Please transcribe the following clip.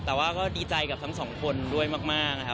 แต่ว่าก็ดีใจกับทั้งสองคนด้วยมากนะครับ